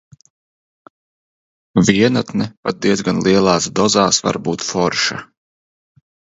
Vienatne pat diezgan lielās dozās var būt forša.